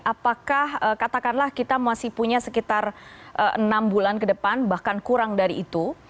apakah katakanlah kita masih punya sekitar enam bulan ke depan bahkan kurang dari itu